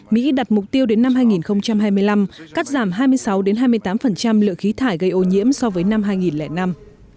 mỹ đặt mục tiêu đến năm hai nghìn hai mươi năm cắt giảm hai mươi sáu hai mươi tám lượng khí thải gây ô nhiễm so với năm hai nghìn năm